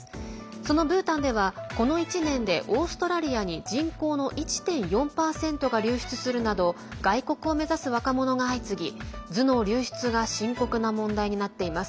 そのブータンではこの１年でオーストラリアに人口の１．４％が流出するなど外国を目指す若者が相次ぎ頭脳流出が深刻な問題になっています。